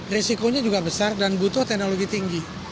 risikonya juga besar dan butuh teknologi tinggi